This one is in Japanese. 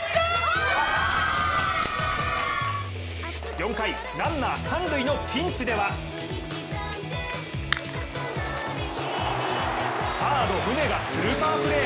４回、ランナー三塁のピンチではサード・宗がスーパープレー。